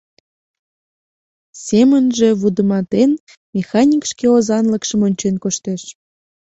Семынже вудыматен, механик шке озанлыкшым ончен коштеш.